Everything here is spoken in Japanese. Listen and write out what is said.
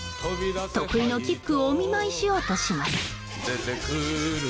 得意のキックをお見舞いしようとします。